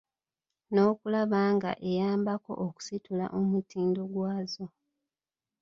N’okulaba nga eyambako okusitula omutindo gwazo.